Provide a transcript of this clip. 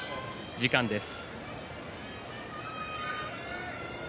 時間です。